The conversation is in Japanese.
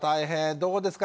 どうですか？